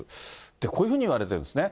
こういうふうにいわれてるんですね。